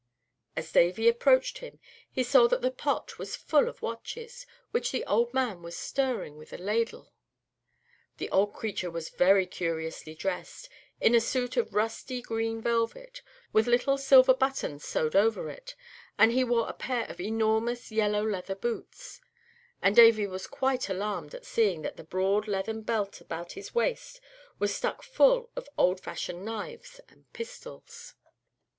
As Davy approached him he saw that the pot was full of watches, which the old man was stirring with a ladle. The old creature was very curiously dressed, in a suit of rusty green velvet, with little silver buttons sewed over it, and he wore a pair of enormous yellow leather boots; and Davy was quite alarmed at seeing that a broad leathern belt about his waist was stuck full of old fashioned knives and pistols.